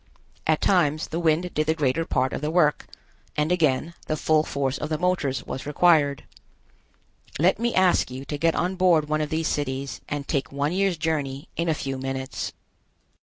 At times the wind did the greater part of the work, and again the full force of the motors was required. Let me ask you to get on board one of these cities, and take one year's journey in a few minutes.